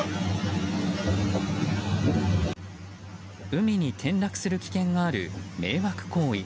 海に転落する危険がある迷惑行為。